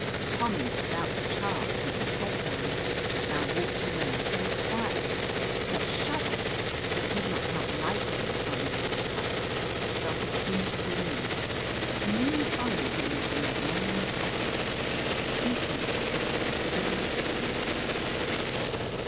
Tommy about to charge, with his head down, now walked away so quietly that Shovel, who could not help liking the funny little cuss, felt a twinge of remorse, and nearly followed him with a magnanimous offer: to treat him as if he were still respectable.